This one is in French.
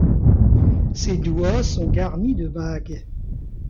Se doigts sont garnis de bagues.